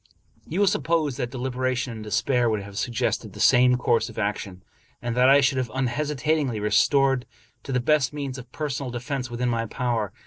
You will suppose that deliberation and despair would have sug gested the same course of action, and that I should have unhesitatingly resorted to the best means of personal de fense within my power.